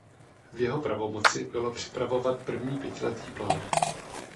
V jeho pravomoci bylo připravovat první pětiletý plán.